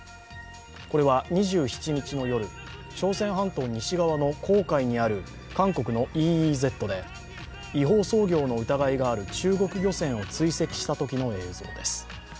これは２７日の夜、朝鮮半島西側の黄海にある韓国のＥＥＺで違法操業の疑いがある中国漁船を追跡したときの映像です。